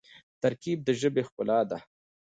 ترکیب د ژبي ښکلا ده.